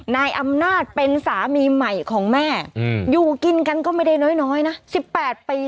นายอำนาจเป็นสามีใหม่ของแม่อยู่กินกันก็ไม่ได้น้อยนะ๑๘ปี